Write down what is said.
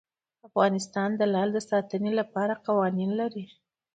افغانستان د لعل د ساتنې لپاره قوانین لري.